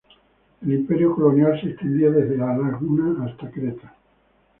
El Imperio colonial se extendía dese la laguna hasta Creta.